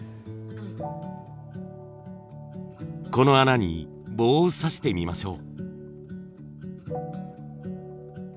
この穴に棒をさしてみましょう。